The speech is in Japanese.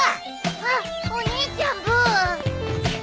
あっお兄ちゃんブー。